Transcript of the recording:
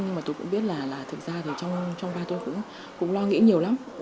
nhưng mà tôi cũng biết là thực ra thì trong ba tôi cũng lo nghĩ nhiều lắm